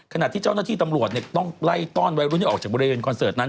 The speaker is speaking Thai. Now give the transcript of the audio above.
ขณะที่เจ้าหน้าที่ตำรวจต้องไล่ต้อนวัยรุ่นที่ออกจากบริเวณคอนเสิร์ตนั้น